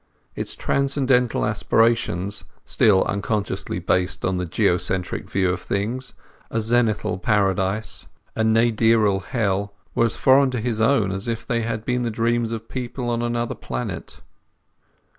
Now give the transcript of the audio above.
Its transcendental aspirations—still unconsciously based on the geocentric view of things, a zenithal paradise, a nadiral hell—were as foreign to his own as if they had been the dreams of people on another planet.